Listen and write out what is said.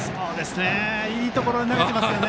いいところに投げてますけどね。